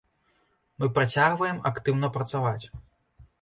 Мы працягваем актыўна працаваць.